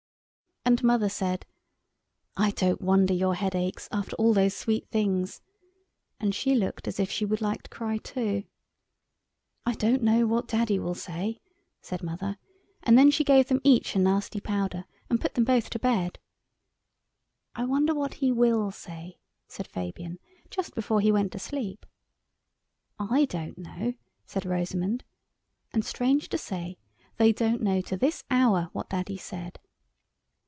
And Mother said, "I don't wonder your head aches, after all those sweet things." And she looked as if she would like to cry too. "I don't know what Daddy will say," said Mother, and then she gave them each a nasty powder and put them both to bed. "I wonder what he will say," said Fabian just before he went to sleep. "I don't know," said Rosamund, and, strange to say, they don't know to this hour what Daddy said.